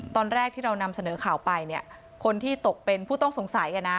ตอนแรกที่เรานำเสนอข่าวไปเนี่ยคนที่ตกเป็นผู้ต้องสงสัย